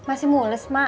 masih mules mak